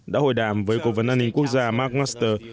đã hội đàm với cố vấn an ninh quốc gia mark waster